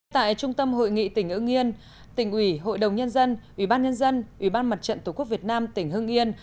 tại trung tâm hội nghị tỉnh hưng yên tỉnh ủy hội đồng nhân dân ủy ban nhân dân ủy ban mặt trận tổ quốc việt nam tỉnh hưng yên